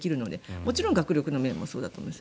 もちろん学力の面もそうだと思います。